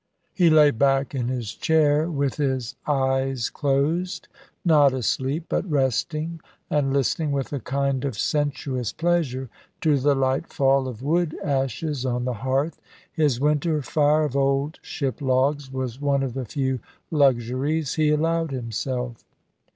He lay back in his chair with his eyes closed, not asleep, but resting, and listening with a kind of sensuous pleasure to the light fall of wood ashes on the hearth. His winter fire of old ship logs was one of the few luxuries he allowed himself.